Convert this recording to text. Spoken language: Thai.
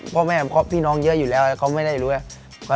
พ่อแม่พี่น้องเยอะอยู่แล้วแล้วเขาไม่ได้รู้แล้ว